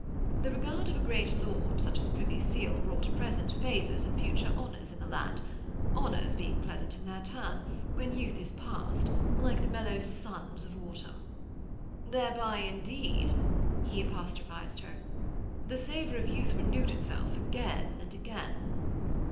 The regard of a great lord such as Privy Seal brought present favours and future honours in the land, honours being pleasant in their turn, when youth is passed, like the mellow suns of autumn. 'Thereby indeed,' he apostrophised her, 'the savour of youth reneweth itself again and again....